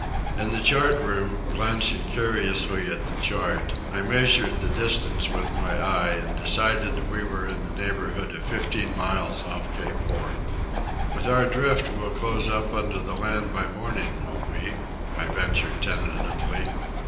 In the chart room, glancing curiously at the chart, I measured the distance with my eye and decided that we were in the neighbourhood of fifteen miles off Cape Horn. "With our drift we'll be close up under the land by morning, won't we?" I ventured tentatively.